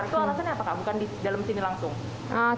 itu alasannya apa kak bukan di dalam sini langsung